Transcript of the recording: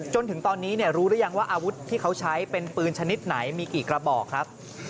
จนถึงตอนนี้รู้หรือยังว่าอาวุธที่เขาใช้เป็นปืนชนิดไหนมีกี่กระบอกครับ